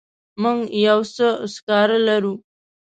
موږ یو څه سکاره لرو.